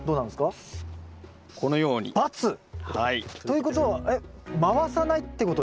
ということは回さないってことですか？